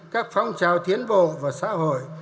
các phong trào thiến bộ và xã hội